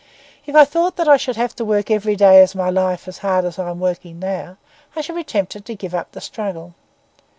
If I thought that I should have to work every day of my life as hard as I am working now, I should be tempted to give up the struggle.